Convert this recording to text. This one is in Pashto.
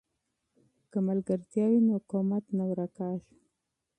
که ملګرتیا وي نو مرسته نه ورکېږي.